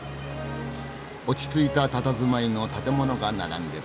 落ち着いたたたずまいの建物が並んでる。